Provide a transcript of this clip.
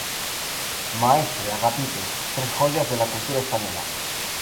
Maestre, Agapito: "Tres joyas de la cultura española".